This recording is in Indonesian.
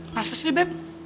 masa sih beb